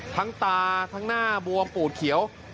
ตาทั้งหน้าบวมปูดเขียว